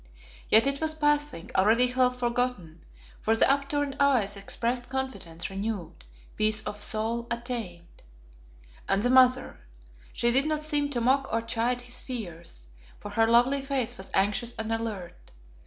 Yet it was passing, already half forgotten, for the upturned eyes expressed confidence renewed, peace of soul attained. And the mother. She did not seem to mock or chide his fears, for her lovely face was anxious and alert.